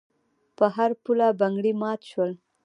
په هر پوله بنګړي مات شول.